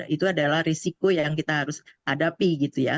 itu adalah risiko yang kita harus hadapi gitu ya